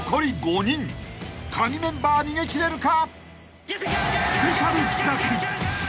［カギメンバー逃げ切れるか！？］